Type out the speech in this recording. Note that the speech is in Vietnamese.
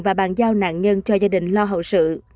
và bàn giao nạn nhân cho gia đình lo hậu sự